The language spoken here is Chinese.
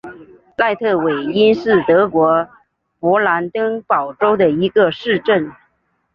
赖特韦因是德国勃兰登堡州的一个市镇。